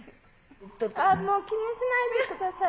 「あっもう気にしないでください」。